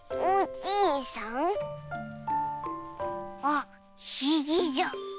あっひげじゃ！